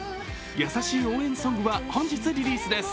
優しい応援ソングは本日リリースです。